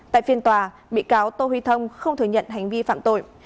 tại phiên tòa bị cáo tô huy thông không thừa nhận hành vi phạm tội